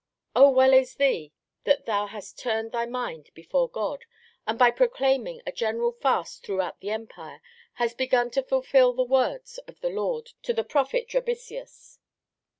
O well is thee, that thou hast turned thy mind before God, and by proclaiming a general fast throughout thy empire, hast begun to fulfil the words of the Lord to the prophet Drabicius."